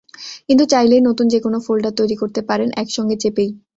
কিন্তু চাইলেই নতুন যেকোনো ফোল্ডার তৈরি করতে পারেন একসঙ্গে চেপেই।